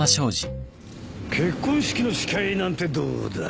結婚式の司会なんてどうだい？